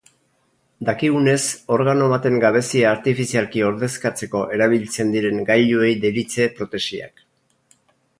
Dakigunez, organo baten gabezia artifizialki ordezkatzeko erabiltzen diren gailuei deritze protesiak.